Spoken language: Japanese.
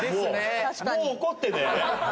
もう怒ってねえ？